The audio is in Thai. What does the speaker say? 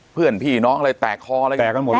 เพื่อนพี่น้องอะไรแตกคออะไรแตกกันหมด